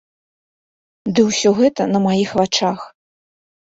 Ды ўсё гэта на маіх вачах.